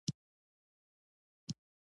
آیا دوی د بایسکل لارې نلري؟